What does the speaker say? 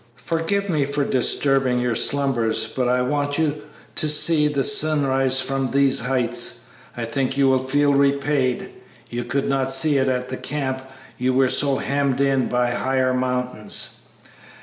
"Forgive me for disturbing your slumbers, but I want you to see the sunrise from these heights; I think you will feel repaid. You could not see it at the camp, you were so hemmed in by higher mountains."